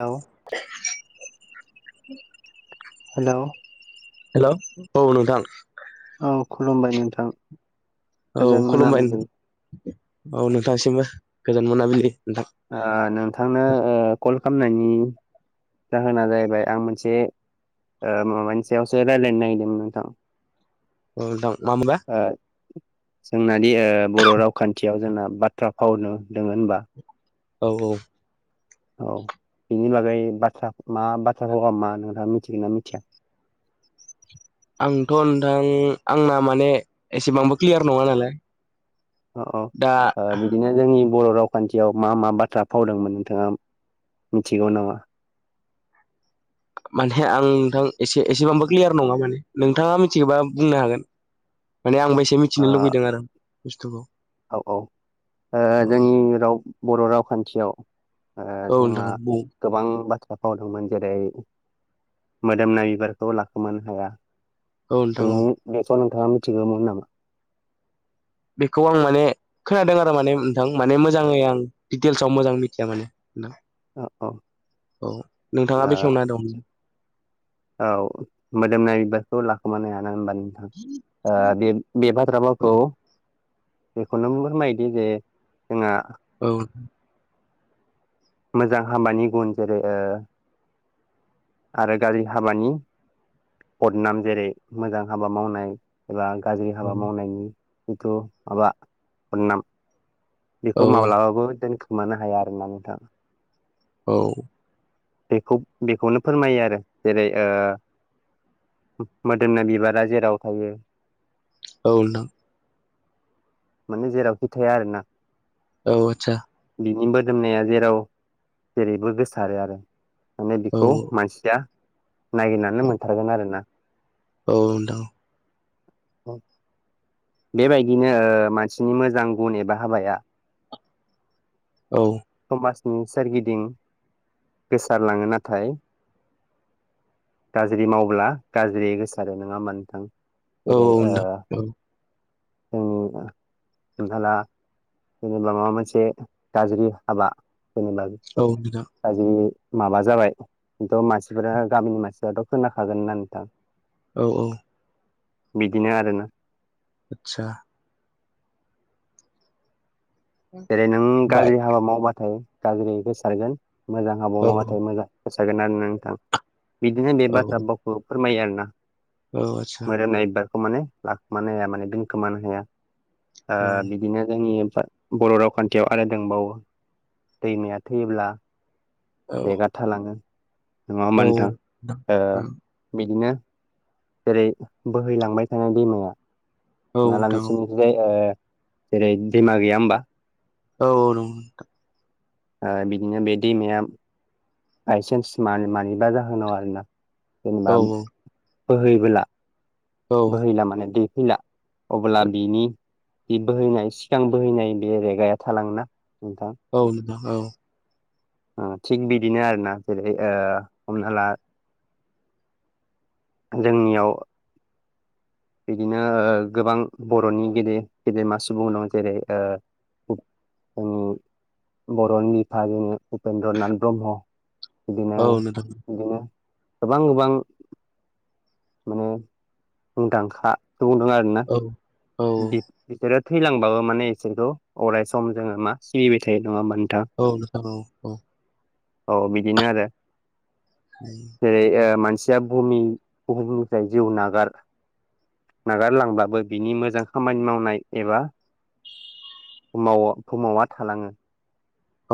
औ [inaudible] hello hello औ नोंथां। औ खुलुमबाय नोंथां। औ गोजोन खुलुमबाय मोनाबिलि औ नोंथांसिमबो गोजान मोनाबिलि नोंथां। ओ नोंथांनो ओ कल खालामनायनि जाहोना जाहैबाय आं मोनसे ओ माबानि सायावसो रायलायनो नागिरदोंमोन नोथां। ओ नोथां मा मोनबा? ओ जोंनादि ओ बर' रावखान्थियाव जोंना बाथ्रा फावनो दोङो होनबा औ औ। औ बिनि बागै बाथ्रा मा बाथ्रा भावआ मा नोंथाङा मिथिगोना मिथिया? आंथ' नोंथां आंना माने एसेबांबो क्लियार नङा नालाय अ ओ दा बि बिदिनो जोंनि बर' रावखान्थियाव मा मा बाथ्रा फाव दंमोन नोंथाङा मिथिगौ नामा? मानेे आं नोंथां एसे एसेबांबो क्लियार नङा माने नोंथाङा मिथिगौबा बुंनो हागोन। माने आंबो एसे ओ मिथिनो लुुबैदों आरो बुस्थुखौ। औ औ ओ औ जोंनि राव बर' रावखान्थियाव ओ औ जोंहा नोंथां बुं गोबां बाथ्रा फाव दंमोन जेरै मोदोमनाय बिबारखौ लाखोमानो हाया। औ नोंथां औ। बेथ' नोथाङा मिथिगौमोन नामा? बेखौ आं माने खोनादों आरो माने नोंथां माने मोजाङै आं डिटेल्सआव मोजां मिथिया माने नोंथां। ओ औ नोंथाङा बेखेवना दं। औ मोदोमनाय बिबारखौ लाखोमानो हायाना होमबा नो ओ बे, बेे बाथ्रा औ बावखौ बेखौनो फोरमायोदि जे जोंहा औ नोंथां। मोजां हाबानि गुन जेरै ओ आरो गाज्रि हाबानि बदनाम जेरै मोजां हाबा मावनाय एबा गाज्रि हाबा मावनायनि जिथु माबा बदनाम औ बेखौ माब्लाबाबो दोनखोमानो हाया आरो ना नोंथां। औ। बेखौ बेखौनो फोरमायो आरो जेरै ओ मोदोमनाय बिबारा जेराव थायो औ नोंथां। माने जेरावखि थाया आरो ना। औ आतसा। बिनि मोदोमनाया जेराव जेरैबो गोसारो आरो। माने औ आदसा औ बेखौ मानसिया नागिरनानै मोनथारगोन आरोना। औ नोंथां औ। बेबायदिनो ओ मानसिनि मोजां गुन एबा हाबाया औ। समाजनि सोरगिदिं गोसारलाङो नाथाय गाज्रि मावब्ला गाज्रि गोसारो नङा होमबा नोंथां। औ जेरै औ ओ नोंथां औ। जोंनि बा हमना ला जेनेबा माबा मोनसे गाज्रि हाबा जेनबा औ बिदा। गाज्रि माबा जाबाय। खिन्थ' मानसिफोरा गामिनि मानसिफ्राथ' खोनाखागोन ना नोंथां। औ औ। बिदिनो आरो ना। आतसा। जेरै नों बाय गाज्रि हाबा मावबाथाय गाज्रि गोसारगोन मोजां हाबा औ मावबाथाय मोजां सारगोन आरोना नोंथां बिदिनो बे औ बाथ्रा बावखौ फोरमायो आरोना। आदसा मोदोमनाय बिबारखौ माने लाखोमानो हाया माने दोनखोमानो हाया ओ औ बि दिनो जोंनि [unintelligible] बर' रावखान्थियाव आरो दंबावो दैमाया थैयोब्ला औ [unintelligible] थालाङो नङा होमबा औ नोंथां ओ नोंथां बिदिनो जेरै बोहैलांबाय थानाय दैमाया औ नाला नों नोंसिनिखैजाय ओ जेरै दैमा गैया होमबा औ औ नंगौ नोंथां ओ बिदिनो बे दैमाया बाइसेन्स मा-मानिबा जाहोनाव आरोना जेनेबा औ बोहैबोला बोहैला माने दै फैला अब्ला बिनि बि बोहैनाय सिगां बोहैनाय बे रेगाया थालाङोना नोंथां औ नोंथां औ ओ थिग बिदिनो आरो ना जेरै ओ हमना ला जोंनियाव बिदिनो गोबां बर'नि गेदेर गेदेमा सुबुं दं जेरै ओ जोंनि बर'नि बिफा जोंनि उपेन्द्र नाथ ब्रह्म बिदिनो बिदिनो गोबां गोबां माने मुंदांखा सुबुं दं आरोना औ नोंथां औ औ औ बि-बिसोरो थैलांबाबो माने इसोरखौ अराय सम जोङो मा सिबिबाय थायो नङा होमबा नोंथां औ नोंथां औ औ औ बिदिनो आरो ओम जेरै ओ मानसिया बुुहुमनि बुहुमनिफ्राय जिउ नागार नागारलांब्लाबो बिनि मोजां खामानि मावनाय एबा फुमावा फुमावा थालाङो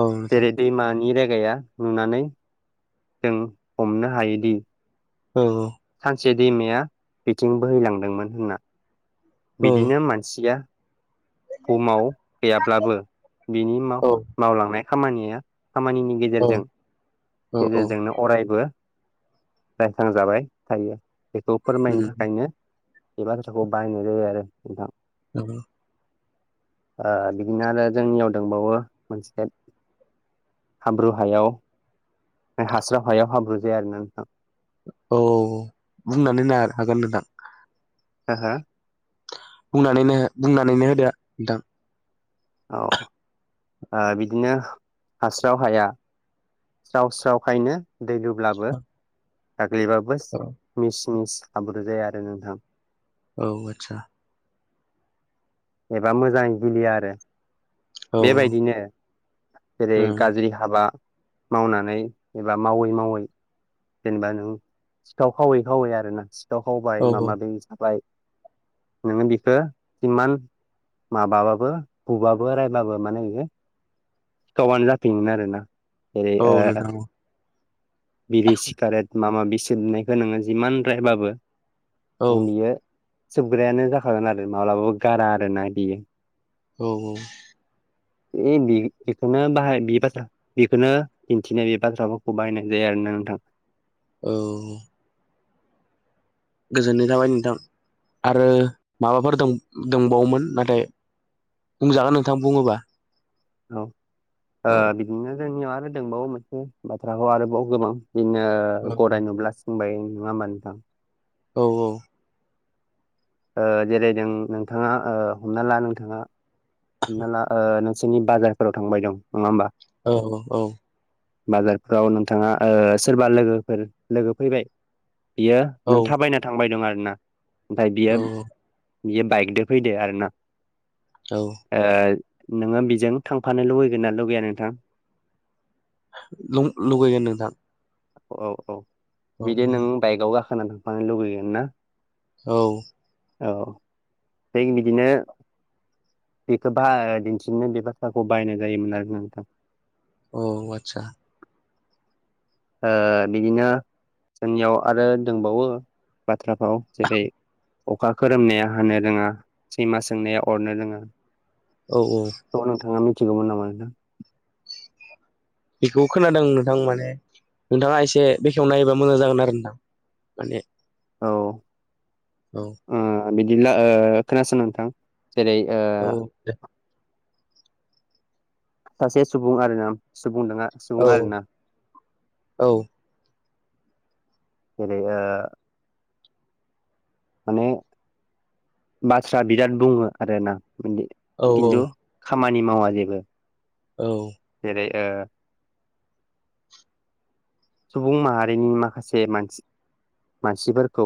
औ नोंथां जेरै दैमानि रेगाया नुनानै जों हमनो हायोदि औ सानसे दैमाया बिथिं बोहैलांदोंमोन होनना बिदिनो मानसिया बुहुमाव गैयाब्लाबो बिनि माव-मावलांनाय खामानिया खामानिनि गेजेरजों औ औ गेजेरजोंनो अरायबो रायखांजाबाय थायो बेखौ फोरमायनो थाखायनो बे बाथ्राखौ बाहायनाय जायो आरो नोंथां [unintelligible] ओ बिदिनो आरो जोंनियाव दंबावो मोनसे हाब्रु हायाव हास्राव हायाव हाब्रु जाया आरो ना नोंथां औ बुंनानै नाय हागोन नोंथां हो हो बुंनानैनो बुंनानैनो होदो नोंथां औ बिदिनो हास्राव हाया स्राव स्रावखायनो दै लुब्लाबो गाग्लिबाबो औ मिस मिस हाब्रु जाया आरो नोंथां औ आदसा एबा मोजां गिलिया आरो औ बेबायदिनो जेरै औ गाज्रि हाबा मावनानै एबा मावै मावै जेनेबा नों सिखाव खावै खावै आरोना सि खाव खावबाय औ माबाबि थाबाय नोङो बिखौ इमान माबाबाबो बुबाबो रायबाबो माने बेयो सिखावानो जाफिनगोन आरोना जेरै औ ओ नोंथां औ बिरि सिगारेट माबा माबि सोबनायखौ नोङो जिमान रायबाबो औ ओं बियो सोबग्रायानो जाखागोन आरो माब्लाबाबो गारा आरोना बियो औ औ ए बेखौनो बाहाय बे बाथ्रा बेखौनो दिन्थिनाय बे बाथ्राफोरखौ बाहायनाय जायो आरोना नोंथां औ गोजोननाय थाबाय नोंथां आरो माबाफोर दं दंबावोमोन नाथाय बुंजागोन नोंथां बुङोबा औ ओ औ बिदिनो जोंनियाव आरो दंबावो मोनसे बाथ्राखौ आरोबाव गोबां बिदिनो औ गराय नुब्ला सि होमबाय नङा होनबा नोंथां औ औ ओ जेरै नों नोंथाङा ओ हमना ला नोंथाङा हमना ला ओ नोंसोरनि बाजारफोराव थांबाय दं नङा होमबा औ औ बाजारफ्राव नोंथाङा ओ सोरबा लोगोफोर लोगो फैबाय बियो औ नों थाबायना थांबाय दं आरोना ओमफाय बियो औ बियो बाइकदो फैदो आरोना औ ओ नोङो बेजों थांफानो लुबैगोन ना लुगैया नोंथां लु लुगैगोन नोंथां औ औ औ बिदि नों बाइकआव गाखोनानै थांफानो लुगैगोन ना औ औ जों बिदिनो बेखौ बा दिन्थिनो बे बाथ्राखौ बाहायनाय जायोमोन आरोना नोंथां औ आतसा ओ बिदिनो जोंनियाव आरो दंबावो बाथ्राफाव जेरै अखा खोरोमनाया हानो रोङा सैमा सोंनाया अरनो रोङा औ औ औ नोंथाङा मिथिगौमोन नामा नोंथां बेखौ खोनादों नोंथां माने नोंथाङा एसे बेखेवना होयोबा मोजां जागोन आरो नोंथां माने औ औ ओ बिदिब्ला खोनासं नोंथां जेरै ओ [unintelligible] सासे सुबुं आरो ना सुबुं- दाङा औ औ जेरै ओ माने बाथ्रा बिराद बुङो आरोना औ खिन्थु खामानि मावा जेबो औ जेरै ओ सुबुं माहारिनि माखासे मानसि मानसिफोरखौ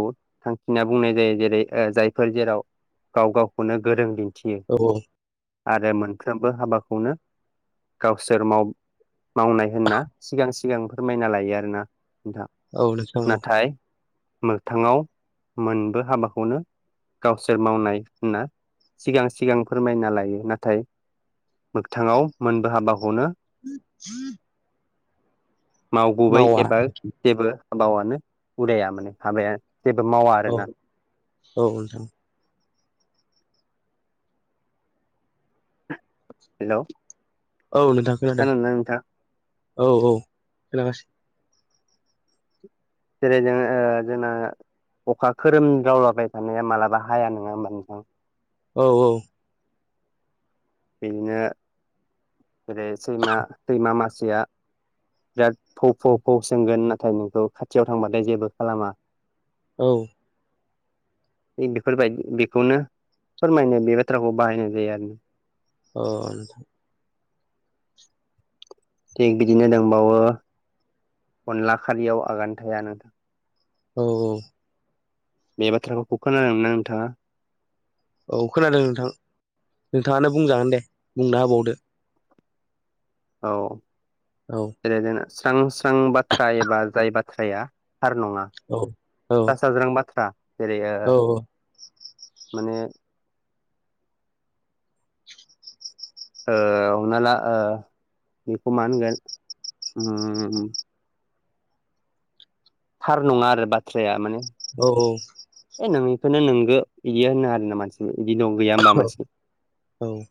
थांखिना बुंनाय जायो जेरै ओ जायफोर जेराव गाव गावखौनो गोरों दिन्थियो औ औ आरो मोनफ्रोमबो हाबाखौनो गावसोर माव मावनाय होनना सिगां सिगां फोरमाय ना लायो आरोना नोंथा औ नोंथां औ नाथाय मोगथाङाव मोनबो हाबाखौनो गावसोर मावनाय होनना सिगां सिगां फोरमायना लायो नाथाय मोगथाङाव मोनबो हाबाखौनो [inaudible] मावगुबै मावा एबा जेबो हाबायावनो उदाया माने हाबाया जेबो मावा औ आरोना औ नोंथां हेल' औ नोंथां खोनादों औ औ खोनागासिनो जेरै जों जोंना अखा खोरोमदावलाबाय थानाया मालाबा हाया नङा होमबा नोंथां औ औ बिदिनो जेरै सैमा सैमा मासेया दा बिराद फौ फौ फौ सोंगोन नाथाय नोंखौ खाथियाव थांबाथाय जेबो खालामा औ [inaudible] बेफोरबायदि बेखौनो फोरमायनो बे बाथ्राखौ बाहायनाय जायो आरो अ नोंथां थिग बिदिनो दंबावो अनला खारियाव आगान थाया नोंथां औ औ बे बाथ्राखौ खोनादोंना नोंथाङा औ खोनादों नोंथां नोंथाङानो बुंजागोन दे बुंना होबावदो औ औ जेरै स्रां स्रां बाथ्रा एबा जाय बाथ्राया थार नङा औ औ सा साज्रां बाथ्रा जेरै ओ औ माने ओ हमना ला ओ बेखौ मा होनगोन उम थार नङा आरो बाथ्राया माने औ औ ए नों बेखौनो नोंगो बिदिया होनो आरोना मानसिबो बिदि न' गैया होनोमबा मानसि औ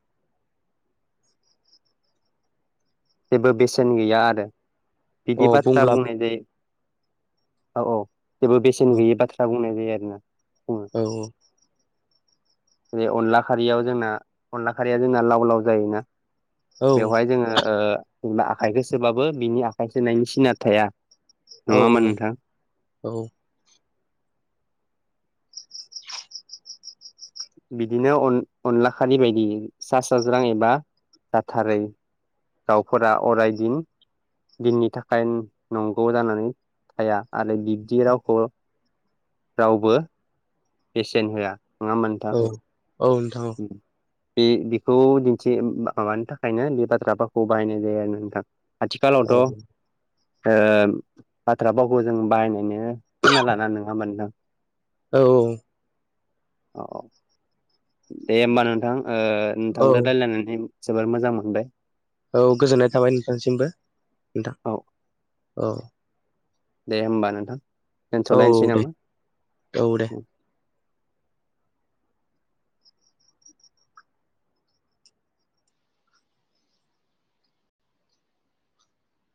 जेबो बेसेन गैया आरो बिदि अ बाथ्रा बुंब्लाबो बुंनाय जायो औ औ जेबो बेसेन औ गैयि बाथ्रा बुंनाय जायो आरोना बुङो औ जेरै अनला खारैयाव जोंना अनला खारैया जोंना लाव लाव जायोना औ बेवहाय जोङो ओ आखाइखौ सोबाबो बिनि आखाइ सोनायनि सिना थाया औ नङा होमबा औ नोंथां औ बिदिनो अनला खालि बायदि सा साज्रां एबा जाथारै दाउफोरा अरायदिन दिननि थाखाय नंगौ जानानै थाया आरो बिब्दि रावखौ रावबो पेसेन्ट होआ नङाम नोंथां औ नोंथां उ बे बेखौ दिन्थि माबानि थाखायनो बे बाथ्राखौ बाहायनाय जायो आरो नोंथां औ आथिखालावथ' ओ बाथ्रा भावखौ जों बाहायनो खोना लाना नङा होनबा नोंथां औ औ औ दे होमबा नोंथां ओ औ नोंथांजों रायज्लायनानै जोबोर मोजां मोनबाय औ गोजोननाय थाबाय नोंथांसिमबो नोंथां औ औ दे होमबा नोंथां औ दोनथ'लायनोसै दे नामा? औ दे